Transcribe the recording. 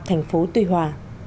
thành phố tùy hòa